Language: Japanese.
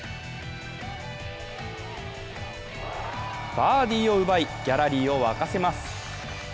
バーディーを奪い、ギャラリーを沸かせます。